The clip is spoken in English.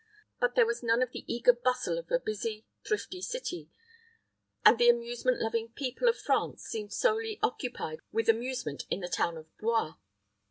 But there was none of the eager bustle of a busy, thrifty city, and the amusement loving people of France seemed solely occupied with amusement in the town of Blois.